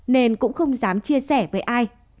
nên cũng không dám chia sẻ với ai